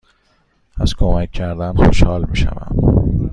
از کمک کردن خوشحال می شوم.